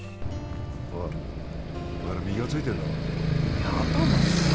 おいまだ身がついてんだろいや頭っすよ